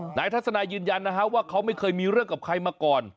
นายทัศนายยืนยันนะฮะว่าเขาไม่เคยมีเรื่องกับใครมาก่อน